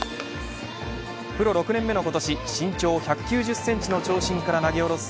プロ６年目の今年身長１９０センチの長身から投げ下ろす